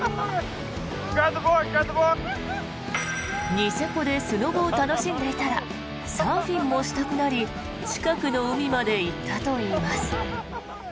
ニセコでスノボを楽しんでいたらサーフィンもしたくなり近くの海まで行ったといいます。